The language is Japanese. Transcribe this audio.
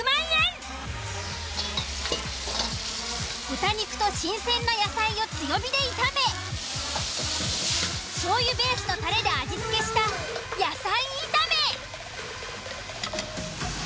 豚肉と新鮮な野菜を強火で炒め醤油ベースのタレで味付けした野菜炒め。